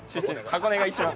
箱根が一番。